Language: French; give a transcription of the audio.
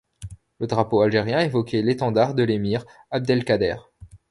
Le drapeau algérien évoquait l'étendard de l'Émir Abdelkader.